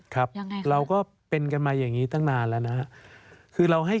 คือเราก็เป็นกันมาอย่างนี้ตั้งนานแล้วนะครับ